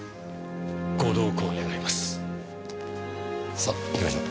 さあ行きましょう。